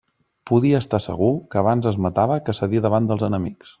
Podia estar segur que abans es matava que cedir davant dels enemics.